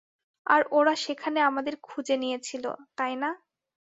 আর ওরা সেখানে আমাদের খুঁজে নিয়েছিল, তাই না?